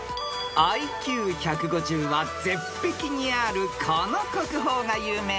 ［ＩＱ１５０は絶壁にあるこの国宝が有名なこちらです］